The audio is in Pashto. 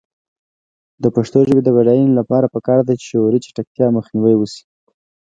د پښتو ژبې د بډاینې لپاره پکار ده چې شعوري چټکتیا مخنیوی شي.